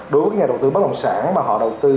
đối với nhà đầu tư bất đồng sản mà họ đầu tư